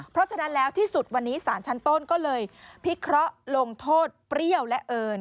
เพราะฉะนั้นแล้วที่สุดวันนี้สารชั้นต้นก็เลยพิเคราะห์ลงโทษเปรี้ยวและเอิญ